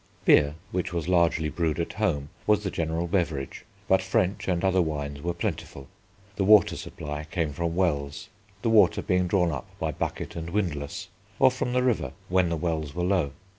Beer, which was largely brewed at home, was the general beverage, but French and other wines were plentiful. The water supply came from wells, the water being drawn up by bucket and windlass, or from the river when the wells were low.